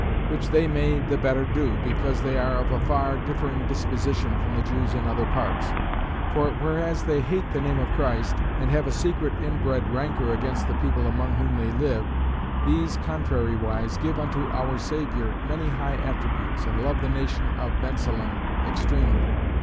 Which they may the better do, because they are of a far differing disposition from the Jews in other parts. For whereas they hate the name of Christ; and have a secret inbred rancour against the people among whom they live: these (contrariwise) give unto our Saviour many high attributes, and love the nation of Bensalem extremely.